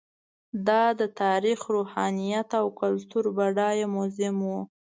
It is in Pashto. دا د تاریخ، روحانیت او کلتور بډایه موزیم و.